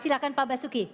silahkan pak basuki